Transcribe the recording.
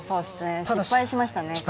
失敗しましたね。